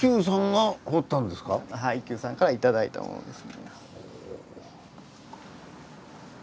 はい一休さんから頂いたものです。